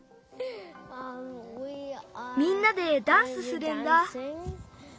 みんなでダンスするんだ。